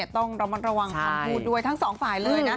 ต้องระมัดระวังคำพูดด้วยทั้งสองฝ่ายเลยนะ